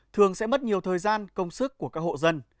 thường sẽ mất nhiều thời gian công sức của các hộ dân